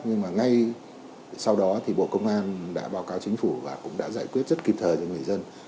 nhưng mà ngay sau đó thì bộ công an đã báo cáo chính phủ và cũng đã giải quyết rất kịp thời cho người dân